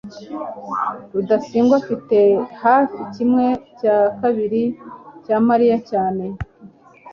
rudasingwa afite hafi kimwe cya kabiri cya mariya cyane